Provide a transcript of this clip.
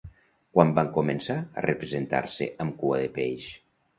Quan van començar a representar-se amb cua de peix?